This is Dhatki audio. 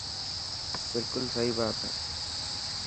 بلڪل سهي بات هي.